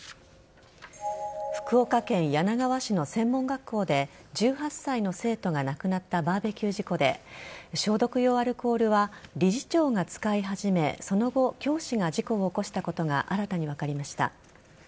福岡県柳川市の専門学校で１８歳の生徒が亡くなったバーベキュー事故で消毒用アルコールは理事長が使い始めその後教師が事故を起こしたことが新たに分かりました。